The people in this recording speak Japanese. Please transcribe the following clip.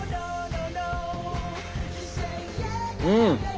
うん！